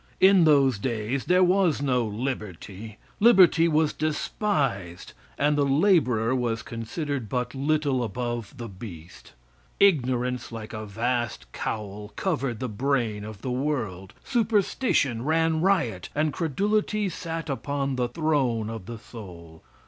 In those days there was no liberty. Liberty was despised, and the laborer was considered but little above the beast. Ignorance, like a vast cowl, covered the brain of the world; superstition ran riot, and credulity sat upon the throne of the soul.